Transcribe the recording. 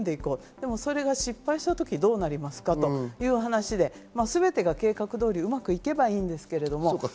でもそれが失敗したときどうなりますかという話で、すべてが計画通りうまくいけばいいんですけど。